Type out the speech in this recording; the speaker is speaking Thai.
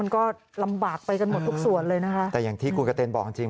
ก็ลำบากไปกันหมดทุกส่วนเลยนะคะแต่อย่างที่คุณกระเต็นบอกจริงจริง